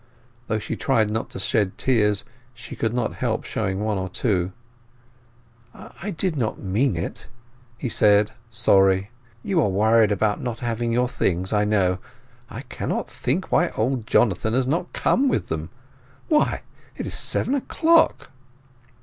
Though she tried not to shed tears, she could not help showing one or two. "I did not mean it!" said he, sorry. "You are worried at not having your things, I know. I cannot think why old Jonathan has not come with them. Why, it is seven o'clock?